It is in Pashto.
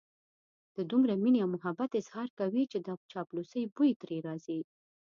د دومره مينې او محبت اظهار کوي چې د چاپلوسۍ بوی ترې راځي.